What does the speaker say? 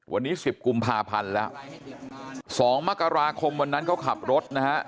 วันนี้๑๐กุมภาพันธ์แล้ว๒มกราคมวันนั้นเขาขับรถนะฮะ